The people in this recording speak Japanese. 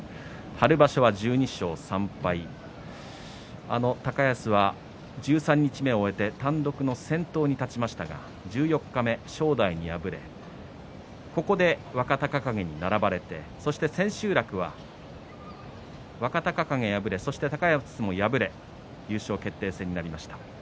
春場所は、１２勝３敗高安は十三日目を終えて単独の先頭に立ちましたが十四日目、正代に敗れてここで若隆景に並ばれて千秋楽は若隆景敗れ、高安も敗れて優勝決定戦になりました。